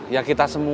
ya kita sama